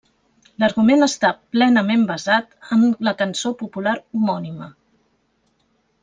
L'argument està plenament basat en la cançó popular homònima.